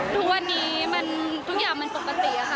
ทุกวันนี้ทุกอย่างมันปกติค่ะ